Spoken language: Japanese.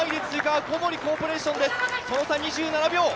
その差２７秒。